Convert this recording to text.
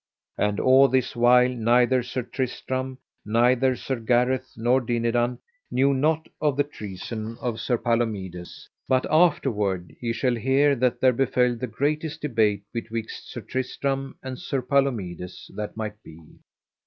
And all this while neither Sir Tristram, neither Sir Gareth nor Dinadan, knew not of the treason of Sir Palomides; but afterward ye shall hear that there befell the greatest debate betwixt Sir Tristram and Sir Palomides that might be.